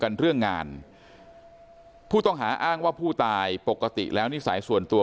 กันเรื่องงานผู้ต้องหาอ้างว่าผู้ตายปกติแล้วนิสัยส่วนตัว